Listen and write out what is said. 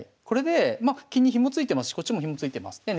これでまあ金にヒモついてますしこっちもヒモついてます。